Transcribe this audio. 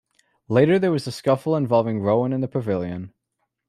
Later there was a scuffle involving Rowan in the pavilion.